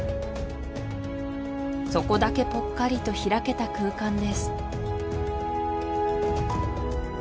そこだけぽっかりと開けた空間です